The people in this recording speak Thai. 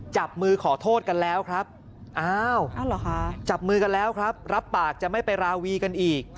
จับมือขอโทษกันแล้วครับอ้าวจับมือกันแล้วครับรับปากจะไม่ไปราวีกันอีก